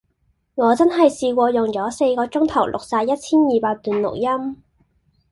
我真係試過用左四個鐘頭錄曬一千二百段錄音